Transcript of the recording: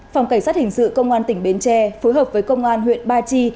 phòng cảnh sát hình sự công an tỉnh bến tre phối hợp với công an huyện ba chi